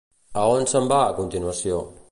A on se'n va a continuació?